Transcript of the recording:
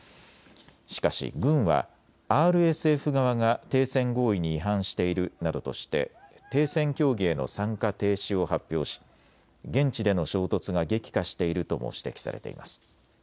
しかし軍はＲＳＦ側が停戦合意に違反しているなどとして停戦協議への参加停止を発表し現地での衝突が激化しているとも指摘されています。